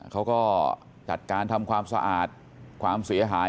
เขาก็จัดการทำความสะอาดความเสียหาย